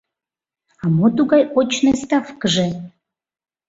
«А мо тугай очный ставкыже?»